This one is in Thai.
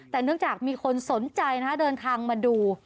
แต่เนื่องจากมีคนสนใจนะฮะเดินทางมาดู